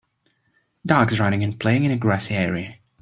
Dogs running and playing in a grassy area.